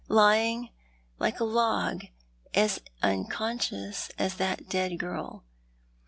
Lying like a log— as unconscious as that dead girl.